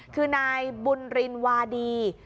คือนายบุญรินวาดี